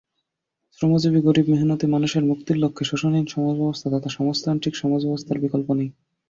শ্রমজীবী-গরিব-মেহনতি মানুষের মুক্তির লক্ষ্যে শোষণহীন সমাজব্যবস্থা তথা সমাজতান্ত্রিক সমাজব্যবস্থার বিকল্প নেই।